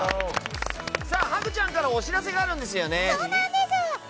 さあ、ハグちゃんからお知らせがあるんですよね。